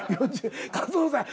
加藤さん。